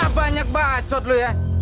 ah banyak bacot lu ya